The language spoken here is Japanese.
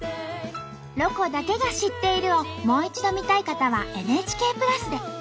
「ロコだけが知っている」をもう一度見たい方はＮＨＫプラスで。